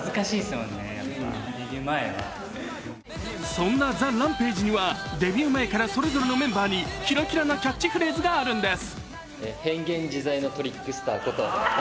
そんなＴＨＥＲＡＭＰＡＧＥにはデビュー前からそれぞれのメンバーにキラキラなキャッチフレーズがあるんです。